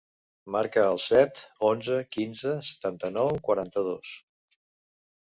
Marca el set, onze, quinze, setanta-nou, quaranta-dos.